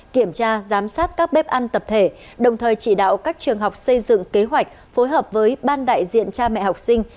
kiểm tra giám sát các bếp ăn tập thể đồng thời chỉ đạo các trường học xây dựng kế hoạch phối hợp với ban đại diện cha mẹ học sinh